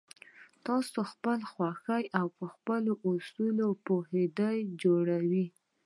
تاسې یې پخپله خوښه او پر اصولو په پوهېدو جوړوئ